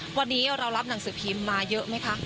วันนี้เรารับหนังสือพิมพ์มาเยอะไหมคะ